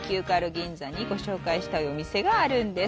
銀座にご紹介したいお店があるんです。